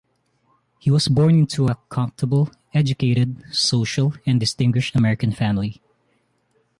He was born into a comfortable, educated, social, and distinguished American family.